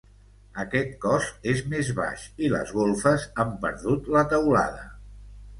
Aquest cos és més baix i les golfes han perdut la teulada.